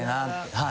はい。